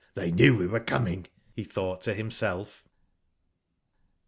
They knew we were coming/' he thought to him self.